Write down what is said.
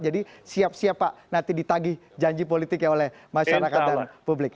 jadi siap siap pak nanti ditagih janji politik ya oleh masyarakat dan publik